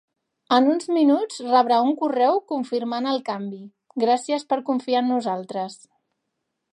En uns minuts rebrà un correu confirmant el canvi, gràcies per confiar en nosaltres.